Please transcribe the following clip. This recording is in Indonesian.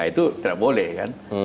itu tidak boleh kan